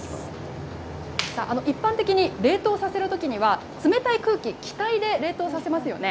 一般的に、冷凍させるときには、冷たい空気、気体で冷凍させますよね。